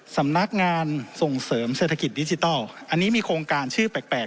สำนักงานส่งเสริมเศรษฐกิจดิจิทัลอันนี้มีโครงการชื่อแปลก